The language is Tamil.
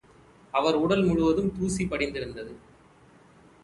அவர் உடல் முழுவதும் தூசி படிந்திருந்தது.